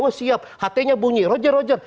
wah siap ht nya bunyi rojer rojer